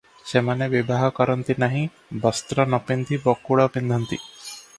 ସେମାନେ ବିବାହ କରନ୍ତି ନାହିଁ ; ବସ୍ତ୍ର ନ ପିନ୍ଧି ବକୁଳ ପିନ୍ଧନ୍ତି ।